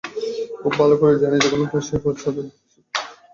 খুব ভালো করেই জানি, যেকোনো বিষয়ে সচেতনতা সৃষ্টি করা অত্যন্ত কঠিন কাজ।